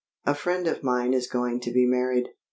A friend of mine is going to be married.